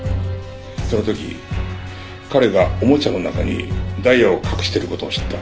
その時彼がおもちゃの中にダイヤを隠してる事を知った。